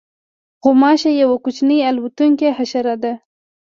غوماشه یوه کوچنۍ الوتونکې حشره ده.